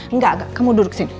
enggak kamu duduk sini